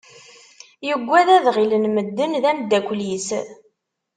Yuggad ad ɣilen medden d ameddakel-is.